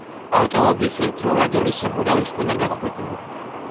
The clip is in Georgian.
ავტომობილს ერთდროულად ორი საბურავი ჰქონდა გახვრეტილი.